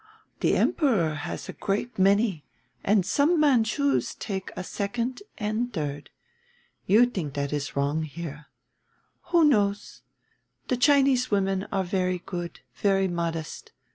"The Emperor has a great many and some Manchus take a second and third. You think that is wrong here. Who knows! The Chinese women are very good, very modest.